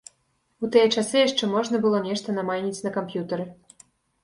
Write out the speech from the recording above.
У тыя часы яшчэ можна было нешта намайніць на камп'ютары.